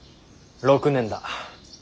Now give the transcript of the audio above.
６年だ。